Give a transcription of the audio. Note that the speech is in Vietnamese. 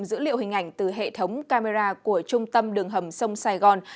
dữ liệu hình ảnh từ hệ thống camera của trung tâm đường hầm sông sài gòn